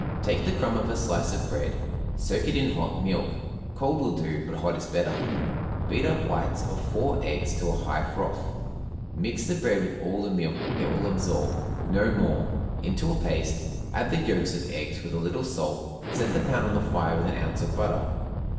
Take the crumb of a slice of bread, soak it in hot milk (cold will do, but hot is better), beat up whites of four eggs to a high froth; mix the bread with all the milk it will absorb, no more, into a paste, add the yolks of eggs with a little salt, set the pan on the fire with an ounce of butter.